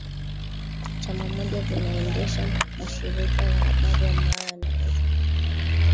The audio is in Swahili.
Chama moja zinaendesha mashirika ya habari ambayo yanaweza